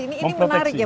ini menarik ya